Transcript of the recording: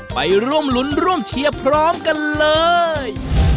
ไปร่วมลุ้นร่วมเชียร์พร้อมกันเลย